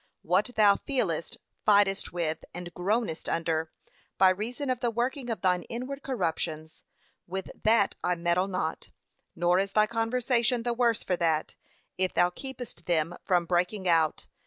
What thou feelest, fightest with, and groanest under, by reason of the working of thine inward corruptions, with that I meddle not; nor is thy conversation the worse for that, if thou keepest them from breaking out.